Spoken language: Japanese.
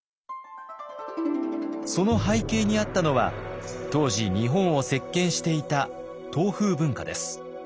その背景にあったのは当時日本を席巻していた唐風文化です。